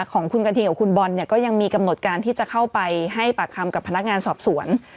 ของคุณกระทิงกับคุณบอลเนี่ยก็ยังมีกำหนดการที่จะเข้าไปให้ปากคำกับพนักงานสอบสวน